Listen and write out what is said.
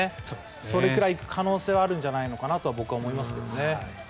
そのくらい行く可能性はあるんじゃないかなと僕は思いますけどね。